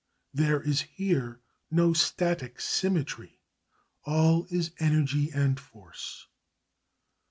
There is here no static symmetry, all is energy and force.